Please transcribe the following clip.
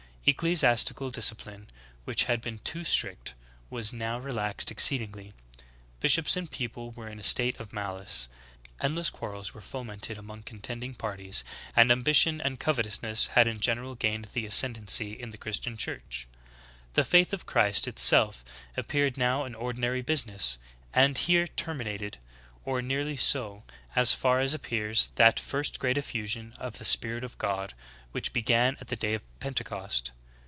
Ecclesiastical discipline, which had been too strict, was now relaxed exceedingly ; bishops and people were in a state of malice. Endless quarrels were fomented among contending parties, and ambition and covetousness had in general gained the ascendency in the Christian Church. =^ The faith of Christ itself appeared now an ordinary business ; and here terminated, or nearly so, as far as appears, that first great effusion of the Spirit of God, which began at the day of Pentecost.